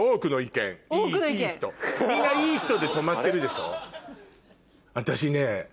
みんないい人で止まってるでしょ？